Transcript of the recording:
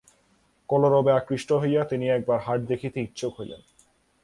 কলরবে আকৃষ্ট হইয়া তিনি একবার হাট দেখিতে ইচ্ছুক হইলেন।